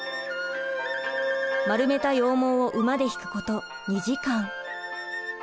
丸めた羊毛を馬で引くこと２時間。